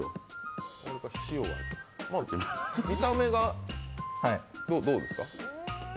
見た目がどうですか？